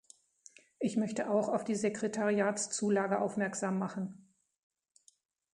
Ich möchte auch auf die Sekretariatszulage aufmerksam machen.